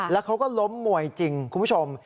แล้วเขาก็ล้มมวยจริงคุณผู้ชม